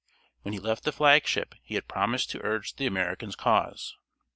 When he left the flag ship he had promised to urge the Americans' cause.